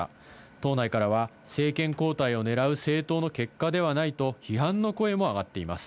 党内からは政権交代を狙う政党の結果ではないと批判の声も上がっています。